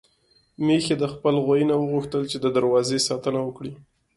ميښې د خپل غويي نه وغوښتل چې د دروازې ساتنه وکړي.